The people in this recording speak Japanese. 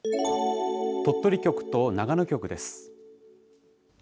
鳥取局と長野局です。